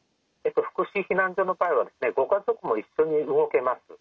福祉避難所の場合はご家族も一緒に動けます。